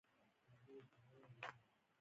د ستالین په امر صنعت سکتور ته ولېږدول شوې.